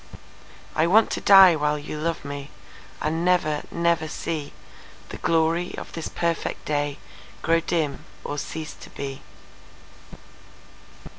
I want to die while you love meAnd never, never seeThe glory of this perfect dayGrow dim or cease to be.